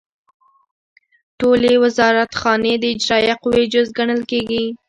ټولې وزارتخانې د اجرائیه قوې جز ګڼل کیږي.